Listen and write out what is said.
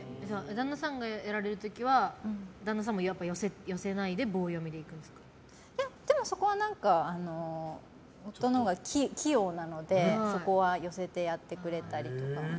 旦那さんがやられる時は旦那さんも寄せないでそこは夫のほうが器用なので、そこは寄せてやってくれたりとか。